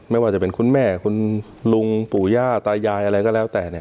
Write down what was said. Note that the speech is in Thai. ไม่ว่าจะเป็นคุณแม่คุณลุงปู่ย่าตายายอะไรก็แล้วแต่